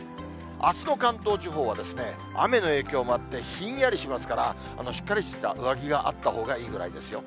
あすの関東地方は雨の影響もあって、ひんやりしますから、しっかりした上着があったほうがいいぐらいですよ。